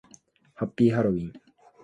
ハッピーハロウィン